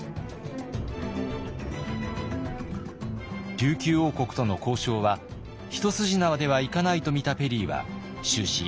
琉球王国との交渉は一筋縄ではいかないとみたペリーは終始強気の姿勢を貫きます。